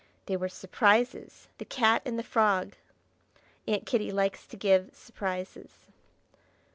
They were surprises, the cat and the frog; Aunt Kitty likes to give surprises.